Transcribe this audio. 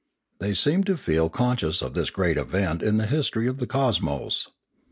They seemed to feel conscious of this great event in the history of the cosmos.